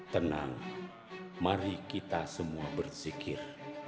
tenang mari kita semua bersikir